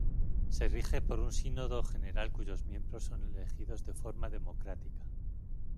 Se rige por un Sínodo General cuyos miembros son elegidos de forma democrática.